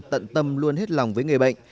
tận tâm luôn hết lòng với người bệnh